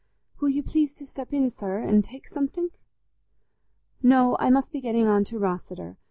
"Will you please to step in, sir, an' tek somethink?" "No, I must be getting on to Rosseter.